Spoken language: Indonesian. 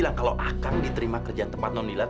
saya tidak akan mencari tempat kerja nona lila